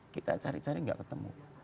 kita cari cari nggak ketemu